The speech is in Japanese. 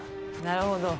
なるほど。